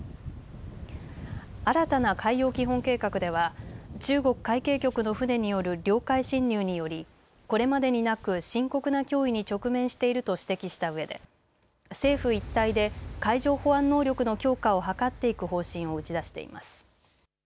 新たな海洋基本計画では中国海警局の船による領海侵入によりこれまでになく深刻な脅威に直面していると指摘したうえで政府一体で海上保安能力の強化を図っていく方針を打ち出しています。